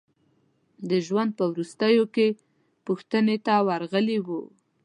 د ژوند په وروستیو کې پوښتنې ته ورغلي وو.